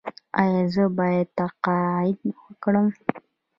ایا زه باید تقاعد وکړم؟